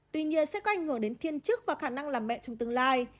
tuy nhiên sẽ có ảnh hưởng đến thiên chức và khả năng làm mẹ trong tương lai